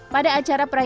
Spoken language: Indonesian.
pada acara perayaan